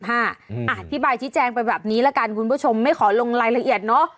อธิบายชี้แจงไปแบบนี้ละกันคุณผู้ชมไม่ขอลงรายละเอียดเนอะ